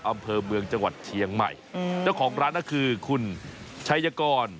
อำเภอเมืองจังหวัดเชียงใหม่เจ้าของร้านก็คือคุณชัยกร